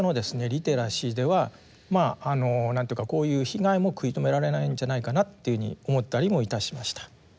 リテラシーではまあ何て言うかこういう被害も食い止められないんじゃないかなっていうふうに思ったりもいたしました。